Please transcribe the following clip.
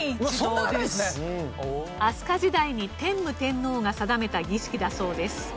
飛鳥時代に天武天皇が定めた儀式だそうです。